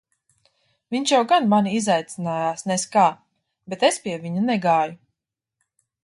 Viņš jau gan mani izaicinājās nez kā, bet es pie viņa negāju.